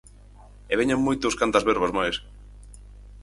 E veñan moitos Cantas Verbas máis.